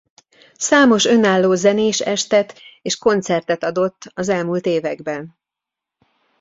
Számos önálló zenés estet és koncertet adott az elmúlt években.